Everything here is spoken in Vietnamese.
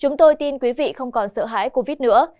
chúng tôi tin quý vị không còn sợ hãi covid nữa